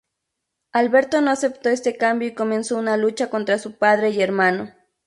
Alberto no aceptó este cambio y comenzó una lucha contra su padre y hermano.